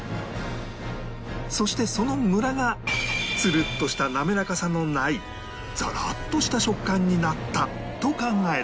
そしてそのムラがツルッとした滑らかさのないザラッとした食感になったと考えられる